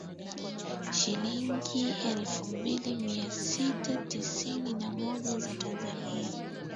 Shilingi elfu mbili mia sita tisini na moja za Tanzania